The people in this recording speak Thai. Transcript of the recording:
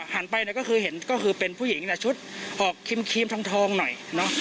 หันไปคือได้เห็นเป็นผู้หญิงชุดออกครีมทองหน่อย